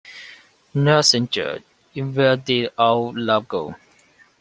Nelson George, in Where Did Our Love Go?